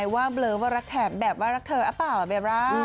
ว่าเบลอว่ารักแถบแบบว่ารักเธอหรือเปล่าเบบร่า